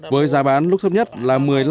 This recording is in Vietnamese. với giá bán lúc thấp nhất là